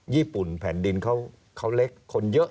ญี่ปุ่นแผ่นดินเขาเล็กคนเยอะ